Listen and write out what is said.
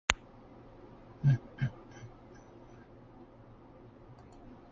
Don Zagier referred to the plaque as a "quantized Fields Medal".